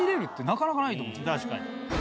確かに。